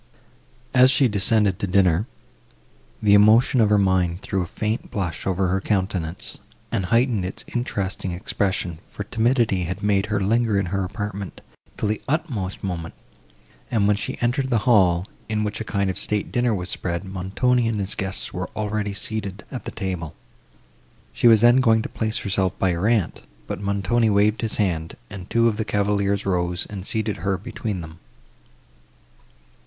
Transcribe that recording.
As she descended to dinner, the emotion of her mind threw a faint blush over her countenance, and heightened its interesting expression; for timidity had made her linger in her apartment, till the utmost moment, and, when she entered the hall, in which a kind of state dinner was spread, Montoni and his guests were already seated at the table. She was then going to place herself by her aunt; but Montoni waved his hand, and two of the cavaliers rose, and seated her between them.